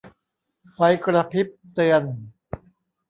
ไฟกระพริบเตือน